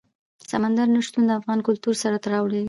سمندر نه شتون د افغان کلتور سره تړاو لري.